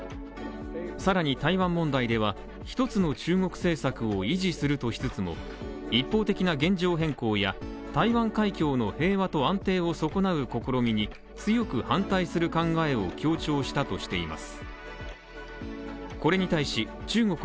さらに台湾問題では、一つの中国政策を維持するとしつつも、一方的な現状変更や台湾海峡の平和と安定を損なう試みに強く反対する考えを強調したとしています